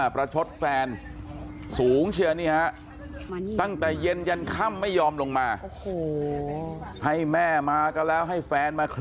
ประชฌแฟน